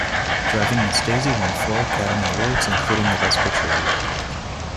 "Driving Miss Daisy" won four Academy Awards, including the Best Picture award.